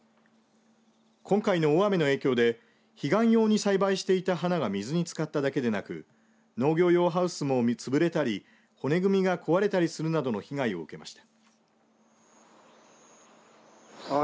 今回の大雨の影響で彼岸用に栽培していた花が水につかっただけでなく農業用ハウスも潰れたり骨組みが壊れたりするなどの被害を受けました。